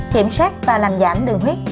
kiểm soát và làm giảm đường huyết